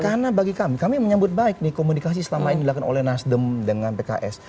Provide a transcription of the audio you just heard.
karena bagi kami kami menyambut baik nih komunikasi selama ini dilakukan oleh nasdem dengan pks